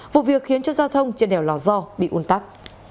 vụ việc khiến cho giao thông trên đèo lò so bị un tắc